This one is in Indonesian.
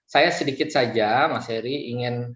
saya sedikit saja mas heri ingin